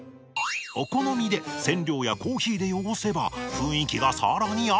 お好みで染料やコーヒーで汚せば雰囲気がさらにアップ。